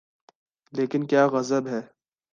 لیکن کیا غضب ہے۔